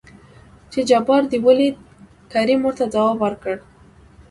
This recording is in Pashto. چې جبار دې ولېد؟ کريم ورته ځواب ورکړ.